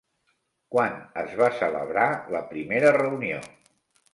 Quan es va celebrar la primera reunió?